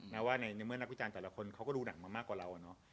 ว่าในเมื่อนักวิจารณ์แต่ละคนเขาก็ดูหนังมามากกว่าเราอะเนาะ